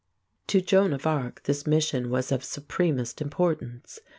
Lenepveu] To Joan of Arc this mission was of supremest importance.